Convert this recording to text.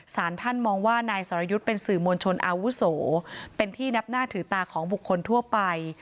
สารท่านมองว่านายสรยุทธ์เป็นสื่อมวลชนอาวุโสเป็นที่นับหน้าถือตาของบุคคลทั่วไป